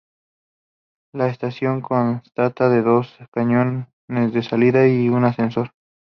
La estación constará de dos cañones de salida y un ascensor.